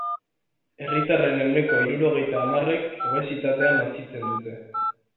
Herritarren ehuneko hirurogeita hamarrek obesitatea nozitzen dute.